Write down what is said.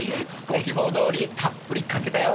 ご希望どおりたっぷりかけたよ！